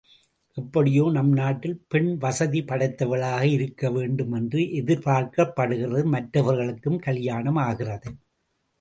எப்படியோ நம் நாட்டில் பெண் வசதி படைத்தவளாக இருக்கவேண்டும் என்று எதிர்பார்க்கப்படுகிறது, மற்றவர்களுக்கும் கலியாணம் ஆகிறது.